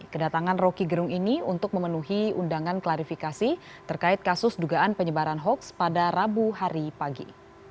kedatangan roky gerung ini untuk memenuhi undangan klarifikasi terkait kasus dugaan penyebaran hoax pada rabu hari pagi